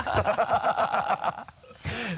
ハハハ